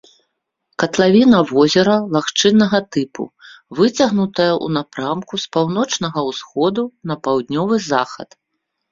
Катлавіна возера лагчыннага тыпу, выцягнутая ў напрамку з паўночнага ўсходу на паўднёвы захад.